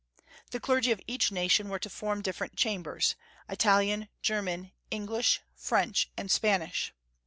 The clergy of each nation were to form different chambers, Italian, \ German, English, French, and Span ish.